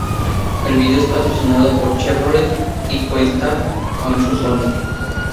El vídeo es patrocinado por Chevrolet, y cuenta con su Sonic.